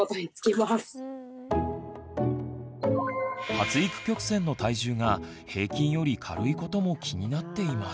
発育曲線の体重が平均より軽いことも気になっています。